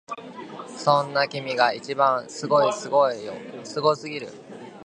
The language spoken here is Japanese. そんな君が一番すごいすごいよすごすぎる！